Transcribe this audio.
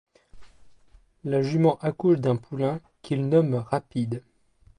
La jument accouche d'un poulain qu'ils nomment Rapide.